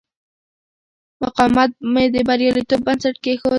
مقاومت مې د بریالیتوب بنسټ کېښود.